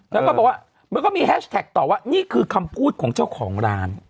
แล้วก็บอกว่ามันก็มีแฮชแท็กต่อว่านี่คือคำพูดของเจ้าของร้าน